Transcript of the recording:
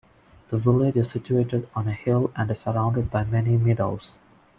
The village is situated on a hill and is surrounded by many meadows.